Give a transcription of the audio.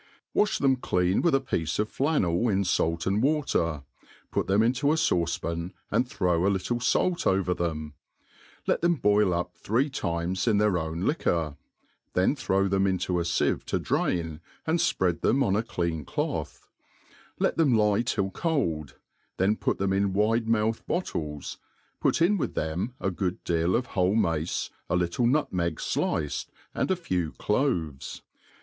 WASH them clean with a piece of flannel in fait and water, ut them into a fauce pan and throw a little fait over them, et them boil up three times in their owii liquor, then throw them' into a fieve to draiii and fpread them on a clean cloth; let tjiem lie till cold, then put them in wide mouthed bottles, put in with them a good deal of whole mace, a little niitmeg diced, and a few claves.